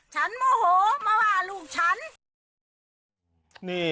โมโหมาว่าลูกฉัน